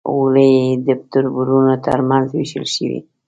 غولی یې د تربرونو تر منځ وېشل شوی.